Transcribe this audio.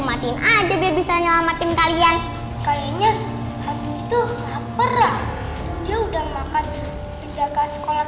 matiin aja bisa nyelamatin kalian kayaknya itu perang dia udah makan pendekat sekolah